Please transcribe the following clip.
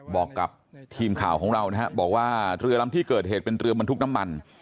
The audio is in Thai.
บอกกับทีมข่าวของเรานะครับบอกว่าเรือลำที่เกิดเหตุเป็นเรือบรรทุกน้ำมัน